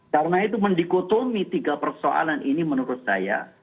karena itu mendikotomi tiga persoalan ini menurut saya